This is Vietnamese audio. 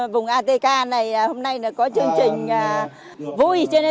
vùng atk này hôm nay có chương trình vui